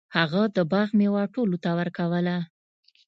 هغه د باغ میوه ټولو ته ورکوله.